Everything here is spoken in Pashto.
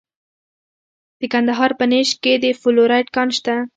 د کندهار په نیش کې د فلورایټ کان شته.